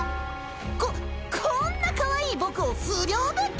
ここんなかわいい僕を不良物件？